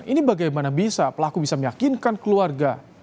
ini bagaimana bisa pelaku bisa meyakinkan keluarga